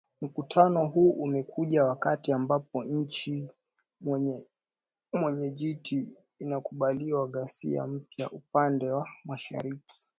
Mkutano huu umekuja wakati ambapo nchi mwenyejiti inakabiliwa ghasia mpya upande wa Mashariki